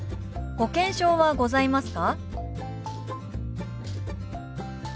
「保険証はございますか？」。